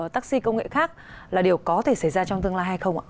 taxi công nghệ khác là điều có thể xảy ra trong tương lai hay không ạ